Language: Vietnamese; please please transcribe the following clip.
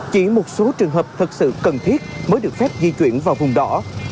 chỉ một số trường hợp thật sự cần thiết mới được phép di chuyển vào vùng đỏ